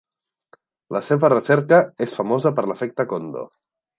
La seva recerca és famosa per l'efecte Kondo.